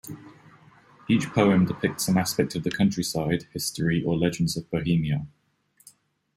Each poem depicts some aspect of the countryside, history, or legends of Bohemia.